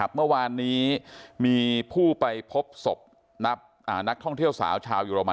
เมื่อวานนี้มีผู้ไปพบศพนักท่องเที่ยวสาวชาวเยอรมัน